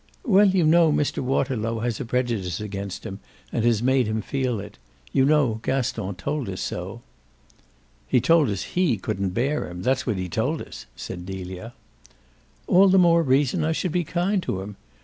"Well, you know Mr. Waterlow has a prejudice against him and has made him feel it. You know Gaston told us so." "He told us HE couldn't bear him; that's what he told us," said Delia. "All the more reason I should be kind to him.